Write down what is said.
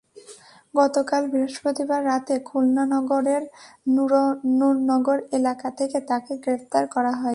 গতকাল বৃহস্পতিবার রাতে খুলনা নগরের নুরনগর এলাকা থেকে তাঁকে গ্রেপ্তার করা হয়।